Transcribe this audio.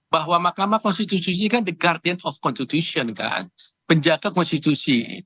bahwa makam konstitusi ini kan the guardian of constitution penjaga konstitusi